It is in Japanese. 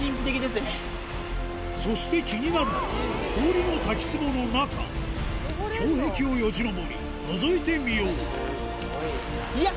そして気になるのが氷の滝壺の中氷壁をよじ登りのぞいてみようスゴいな。